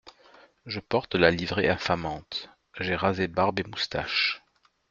Je porte la livrée infamante, j’ai rasé barbe et moustache…